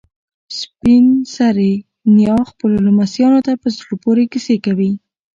سپین سرې نیا خپلو لمسیانو ته په زړه پورې کیسې کوي.